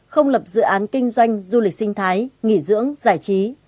không lập dự án kinh doanh du lịch sinh thái nghỉ dưỡng giải trí